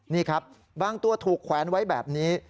นี่ครับบางตัวถูกแขวนไว้แบบนี้